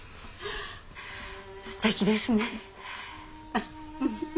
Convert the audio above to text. すてきですね。